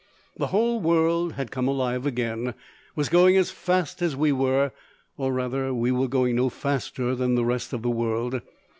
The whole world had come alive again, was going as fast as we were, or rather we were going no faster than the rest of the world.